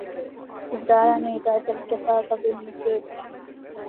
زارني بعد الجفا ظبي النجود